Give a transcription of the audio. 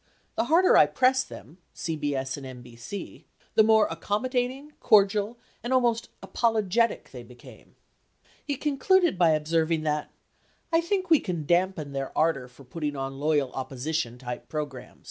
The harder I pressed them (CBS and NBC) the more accommodating, cordial, and almost apologetic they became." He con cluded by observing that "I think we can dampen their ardor for put ting on 'loyal opposition' type programs."